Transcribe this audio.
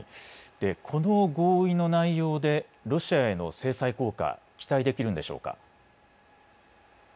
この合意の内容でロシアへの制裁効果、期待できるんでしょうか。